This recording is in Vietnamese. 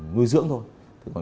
ngươi dưỡng thôi